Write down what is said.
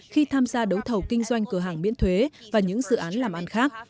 khi tham gia đấu thầu kinh doanh cửa hàng miễn thuế và những dự án làm ăn khác